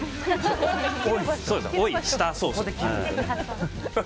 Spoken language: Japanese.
おい、スターソース。